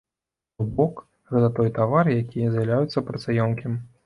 То бок, гэта той тавар, які з'яўляецца працаёмкім.